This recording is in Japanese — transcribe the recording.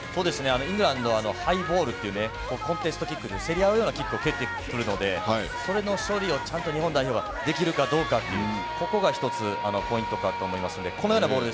イングランドは、ハイボールというコンテストキックで競り合うようなキックを蹴ってくるので、それの処理を日本代表ができるかどうかここがひとつポイントかと思いますので、このようなボール。